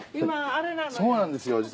そうなんですよ